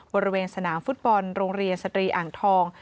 บริเวณสนามฟุตบอลโรงเรียนสตรีอ่างทอง